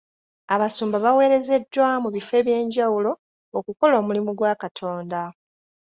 Abasumba baaweerezeddwa mu bifo eby'enjawulo okukola omulimu gwa Katonda.